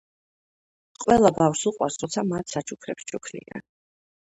ყველა ბავშვს უყვარს როცა მათ საჩუქრებს ჩუქნიან